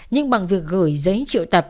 nhưng bằng việc gửi giấy triệu tập